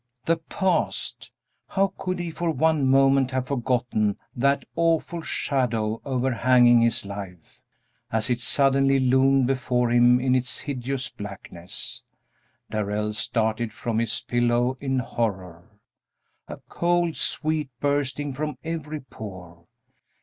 The past! How could he for one moment have forgotten that awful shadow overhanging his life! As it suddenly loomed before him in its hideous blackness, Darrell started from his pillow in horror, a cold sweat bursting from every pore.